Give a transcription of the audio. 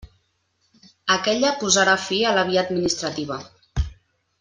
Aquella posarà fi a la via administrativa.